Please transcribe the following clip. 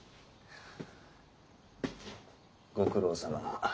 ご苦労さま。